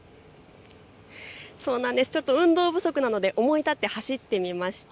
ちょっと運動不足なので思い立って走ってみました。